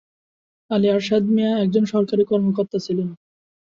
আলী আরশাদ মিয়া একজন সরকারি কর্মকর্তা ছিলেন।